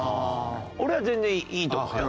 俺は全然いいと思うよ。